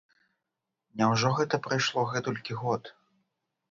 Няўжо гэта прайшло гэтулькі год?!